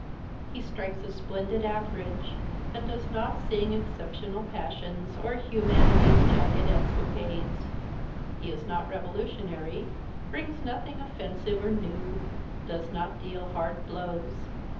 He strikes a splendid average, and does not sing exceptional passions, or human ity's jagged escapades. He is not revolutionary, brings nothing offensive or new, does not deal hard blows.